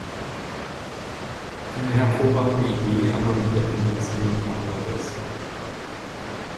Eine hervorragende Idee, aber mit der Finanzierung hapert es.